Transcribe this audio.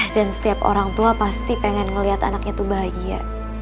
dan setiap orang tua pasti pengen ngeliat anaknya tuh bahagia